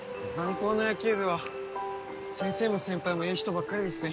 高の野球部は先生も先輩もええ人ばっかりですね